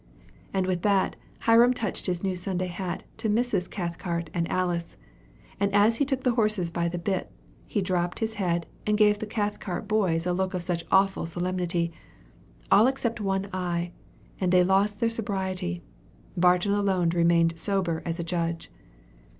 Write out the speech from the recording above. And with that Hiram touched his new Sunday hat to Mrs. Cathcart and Alice; and as he took the horses by the bits, he dropped his head and gave the Cathcart boys a look of such awful solemnity, all except one eye, that they lost their sobriety. Barton alone remained sober as a judge.